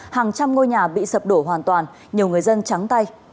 hàng trăm ngôi nhà bị sập đổ hoàn toàn nhiều người dân trắng tay